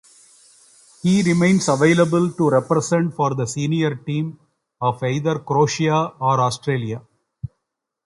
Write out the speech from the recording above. He remains available to represent for the senior team of either Croatia or Australia.